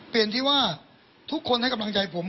เปลี่ยนที่ว่าทุกคนให้กำลังใจผม